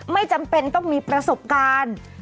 ไม่จำเป็นต้องมีประสบการณ์